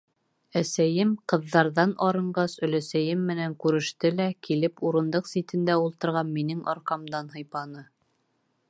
Әсәйем, ҡыҙҙарҙан арынғас, өләсәйем менән күреште лә, килеп, урындыҡ ситендә ултырған минең арҡамдан һыйпаны: